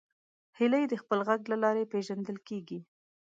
هیلۍ د خپل غږ له لارې پیژندل کېږي